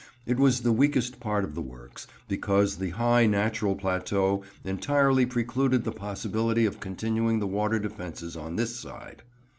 It was the weakest part of the works, because the high natural plateau entirely precluded the possibility of continuing the water defences on this side.